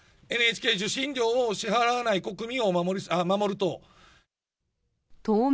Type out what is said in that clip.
ＮＨＫ受診料を支払わない国民を守る党。